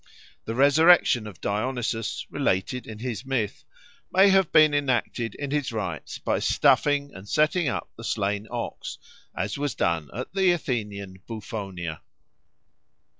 The resurrection of Dionysus, related in his myth, may have been enacted in his rites by stuffing and setting up the slain ox, as was done at the Athenian _bouphonia.